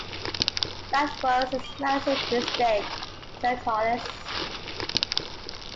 "That was a massive mistake," said Hollis.